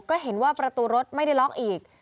ก็เห็นว่าประตูรถไม่ได้ล็อกอีก